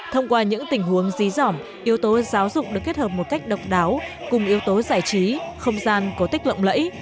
thông qua những tình huống dí dỏm yếu tố giáo dục được kết hợp một cách độc đáo cùng yếu tố giải trí không gian có tích lộng lẫy